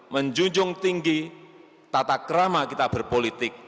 menjunjung tinggi tata kerama kita berpolitik